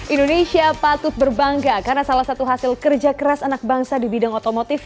indonesia patut berbangga karena salah satu hasil kerja keras anak bangsa di bidang otomotif